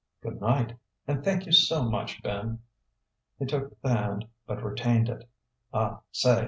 "Good night and thank you so much, Ben." He took the hand, but retained it. "Ah, say!